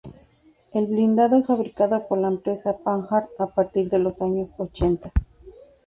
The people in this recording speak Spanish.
El blindado es fabricado por la empresa Panhard a partir de los años ochenta.